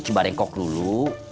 coba rengkok dulu